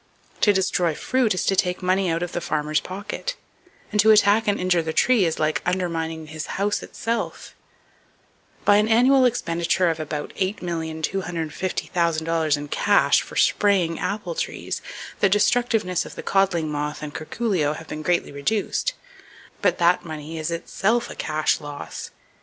To destroy fruit is to take money out of the farmer's pocket, and to attack and injure the tree is like undermining his house itself. By an annual expenditure of about $8,250,000 in cash for spraying apple trees, the destructiveness of the codling moth and curculio have been greatly reduced, but that money is itself a cash loss.